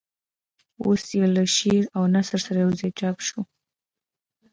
اوس یې له شعر او نثر سره یوځای چاپ شو.